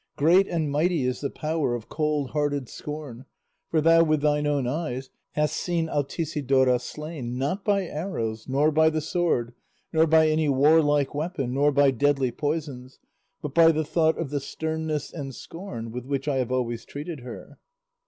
Great and mighty is the power of cold hearted scorn, for thou with thine own eyes hast seen Altisidora slain, not by arrows, nor by the sword, nor by any warlike weapon, nor by deadly poisons, but by the thought of the sternness and scorn with which I have always treated her."